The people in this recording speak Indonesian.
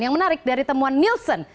yang menarik dari temuan nielsen